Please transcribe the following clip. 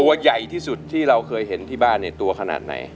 ตัวใหญ่ที่สุดที่เราเคยเห็นที่บ้านเนี่ยตัวขนาดไหน